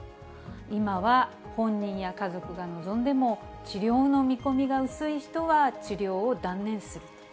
今は本人や家族が望んでも、治療の見込みが薄い人は治療を断念する。